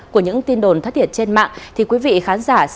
của những tin đồn thất thiệt trên mạng